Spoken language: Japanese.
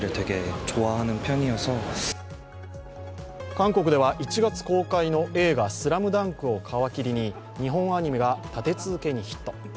韓国では１月公開の映画「ＳＬＡＭＤＵＮＫ」を皮切りに日本アニメが立て続けにヒット。